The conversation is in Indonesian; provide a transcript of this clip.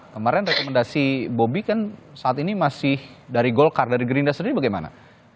kemarin rekomendasi bobi kan saat ini masih dari golkar dari gerindra sendiri bagaimana